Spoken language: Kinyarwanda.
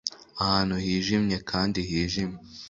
ahantu hijimye kandi hijimye